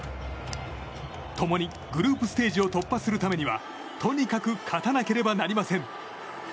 共にグループステージを突破するためにはとにかく勝たなければなりません。